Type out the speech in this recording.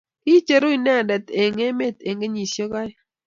kicheru inende eng' emet eng kenysiek oeng'